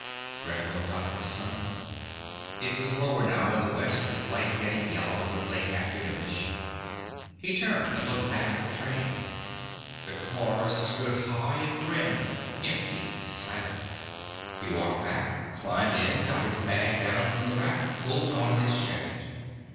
Brett looked up at the sun. It was lower now in the west, its light getting yellow and late afternoonish. He turned and looked back at the train. The cars stood high and prim, empty, silent. He walked back, climbed in, got his bag down from the rack, pulled on his jacket.